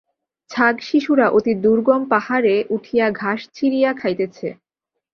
ছাগশিশুরা অতি দুর্গম পাহাড়ে উঠিয়া ঘাস ছিঁড়িয়া খাইতেছে।